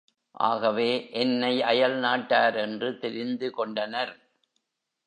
ஆகவே, என்னை அயல்நாட்டார் என்று தெரிந்து கொண்டனர்.